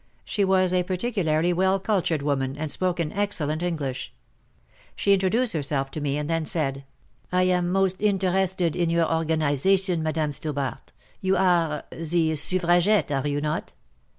She was a particularly well cultured woman, and spoke in excellent English. She introduced herself to me, and then said :" I am most in te rested in your or ga ni zation, Madame Stobart, — you are ze Suffra gettes — are you not